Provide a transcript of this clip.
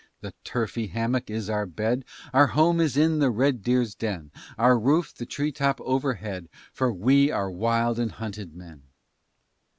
The turfy hammock is our bed, Our home is in the red deer's den, Our roof, the tree top overhead, For we are wild and hunted men.